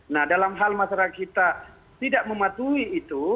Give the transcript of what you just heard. nah dalam hal masyarakat kita tidak mematuhi itu